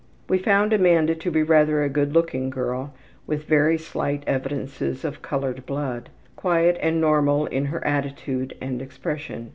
We found Amanda to be rather a good looking girl with very slight evidences of colored blood. Quiet and normal in her attitude and expression.